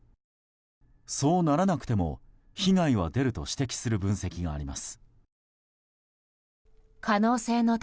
そうならなくても被害は出ると指摘する分析があります。